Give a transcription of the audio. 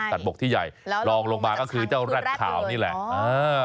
บกที่ใหญ่ลองลงมาก็คือเจ้าแร็ดขาวนี่แหละ